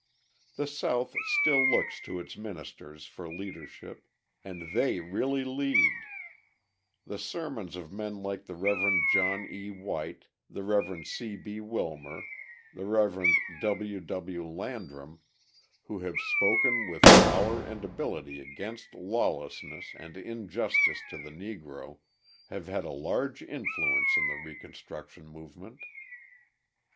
The South still looks to its ministers for leadership and they really lead. The sermons of men like the Rev. John E. White, the Rev. C. B. Wilmer, the Rev. W. W. Landrum, who have spoken with power and ability against lawlessness and injustice to the Negro, have had a large influence in the reconstruction movement.